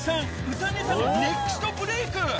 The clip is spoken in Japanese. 歌ネタのネクストブレイク。